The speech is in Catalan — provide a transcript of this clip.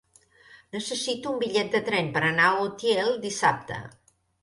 Necessito un bitllet de tren per anar a Utiel dissabte.